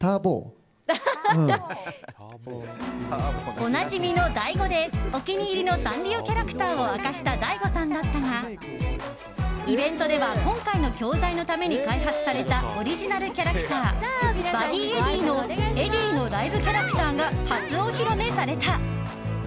おなじみのＤＡＩ語でお気に入りのサンリオキャラクターを明かしたＤＡＩＧＯさんだったがイベントでは今回の教材のために開発されたオリジナルキャラクターＢＵＤＤＹＥＤＤＹのＥｄｄｙのライブキャラクターが初お披露目された。